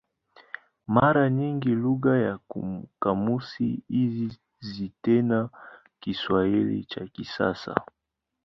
Mara nyingi lugha ya kamusi hizi si tena Kiswahili cha kisasa.